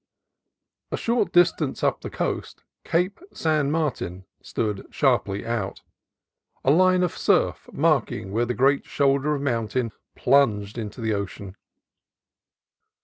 A short distance up the coast Cape San Martin stood sharply out, a line of surf marking where the great shoulder of mountain plunged into the ocean.